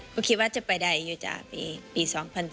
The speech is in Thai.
ก็คิดว่าจะไปใดอยู่จากปี๒๐๐๗